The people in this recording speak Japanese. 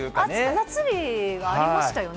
夏日がありましたよね。